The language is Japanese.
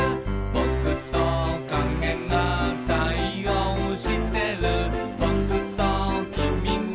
「ぼくときみが対応してる」